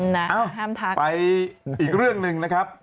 ห้ามทักไปอีกเรื่องหนึ่งนะครับ